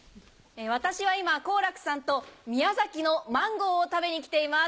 私は今好楽さんと宮崎のマンゴーを食べに来ています。